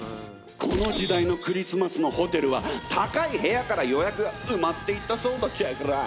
この時代のクリスマスのホテルは高い部屋から予約が埋まっていったそうだチェケラ。